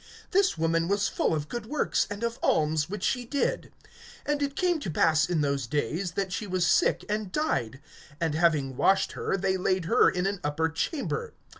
This woman was full of good works, and of alms, which she did. (37)And it came to pass in those days, that she was sick, and died. And having washed her, they laid her in an upper chamber.